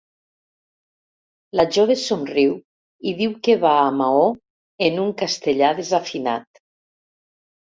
La jove somriu i diu que va a Maó en un castellà desafinat.